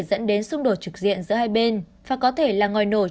dẫn đến xung đột trực diện giữa hai bên và có thể là ngòi nổi